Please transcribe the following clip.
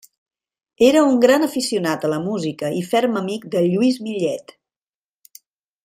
Era un gran aficionat a la música i ferm amic de Lluís Millet.